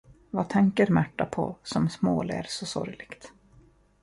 Vad tänker Märta på som småler så sorgligt?